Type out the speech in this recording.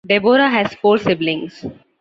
Deborah has four siblings.